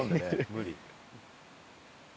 無理。